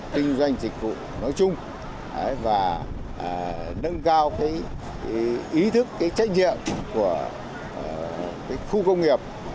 kinh doanh dịch vụ nói chung và nâng cao ý thức trách nhiệm của khu công nghiệp